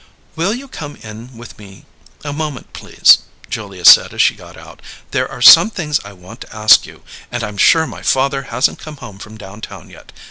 "Will you come in with me a moment, please?" Julia said as she got out. "There are some things I want to ask you and I'm sure my father hasn't come home from downtown yet.